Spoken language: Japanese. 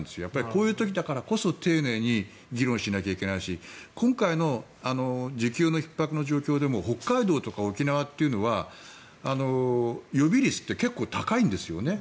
こういう時だからこそ丁寧に議論しなきゃいけないし今回の需給のひっ迫の状況でも北海道とか沖縄というのは予備率って結構高いんですよね。